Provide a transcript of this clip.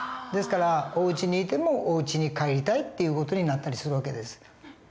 ですからおうちにいてもおうちに帰りたいっていう事になったりする訳です。